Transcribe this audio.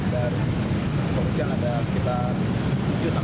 dan pekerjaan ada sekitar tujuh sepuluh orang